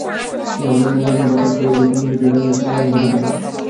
তিনিই আমাকে জর্ডানের বাদশার পরিবারের বিয়ের ভোজের রান্নার কাজটি পাইয়ে দিয়েছিলেন।